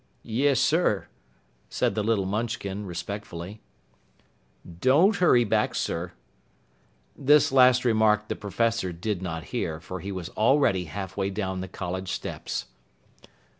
"Yes, sir!" said the little Munchkin respectfully. "Don't hurry back, sir!" This last remark the Professor did not hear, for he was already half way down the college steps.